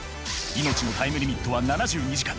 命のタイムリミットは７２時間。